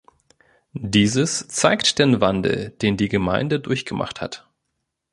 Dieses zeigt den Wandel, den die Gemeinde durchgemacht hat.